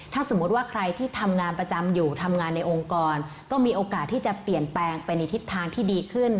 ถ้าสมมุติว่าใครที่ทำงานประจำอยู่ทำงานในองค์กรก็มีโอกาสที่จะเปลี่ยนแปลงไปในทิศทางที่ดีขึ้น